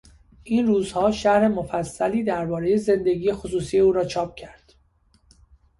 این روزها شرح مفصلیدربارهی زندگی خصوصی او را چاپ کرد.